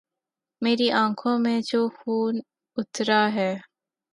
میری آنکھوں میں جو خون اترا ہے